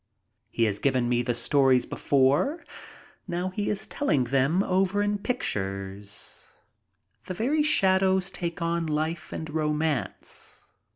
He has given me the stories before. Now he is telling them over in pictures. The very shadows take on life and romance.